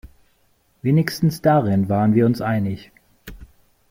Wenigstens darin waren wir uns einig.